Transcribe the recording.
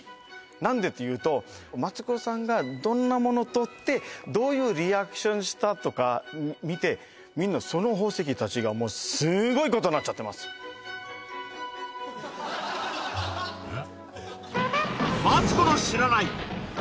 何でっていうとマツコさんがどんなもの取ってどういうリアクションしたとか見てみんなその宝石たちがもうすごいことなっちゃってますえっ？